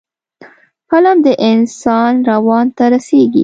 فلم د انسان روان ته رسیږي